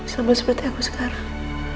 sama seperti aku sekarang